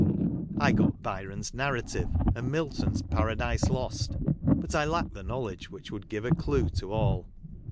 I got Byron's "Narrative," and Milton's " Paradise Lost ;" but I lacked the knowledge which would give a clue to all.